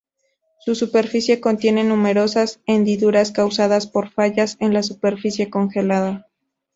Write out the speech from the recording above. Su superficie contiene numerosas hendiduras causadas por fallas en la superficie congelada.